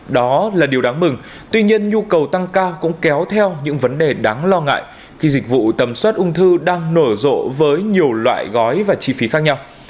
đó là điều đáng mừng tuy nhiên nhu cầu tăng cao cũng kéo theo những vấn đề đáng lo ngại khi dịch vụ tầm soát ung thư đang nổ rộ với nhiều loại gói và chi phí khác nhau